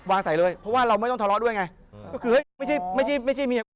วางใส่เลยเพราะว่าเราไม่ต้องทะเลาะด้วยไง